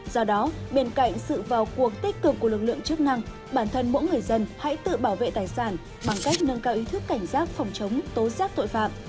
do đó bên cạnh sự vào cuộc tích cực của lực lượng chức năng bản thân mỗi người dân hãy tự bảo vệ tài sản bằng cách nâng cao ý thức cảnh giác phòng chống tố giác tội phạm